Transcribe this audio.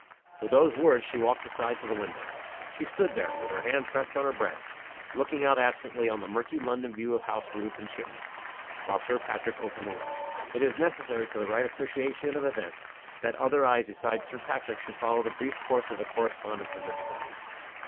With those words she walked aside to the window. She stood there, with her hand pressed on her breast, looking out absently on the murky London view of house roof and chimney, while Sir Patrick opened the letter. It is necessary to the right appreciation of events, that other eyes besides Sir Patrick's should follow the brief course of the correspondence in this place.